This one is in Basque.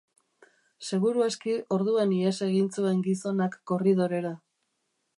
Seguru aski orduan ihes egin zuen gizonak korridorera.